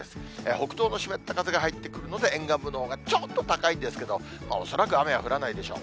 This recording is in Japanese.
北東の湿った風が入ってくるので、沿岸部のほうがちょっと高いんですけれども、恐らく雨は降らないでしょう。